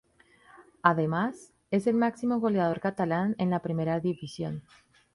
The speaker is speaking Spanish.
Además, es el máximo goleador catalán en la Primera División.